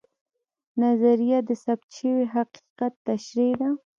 نظریه د ثبوت شوي حقیقت تشریح ده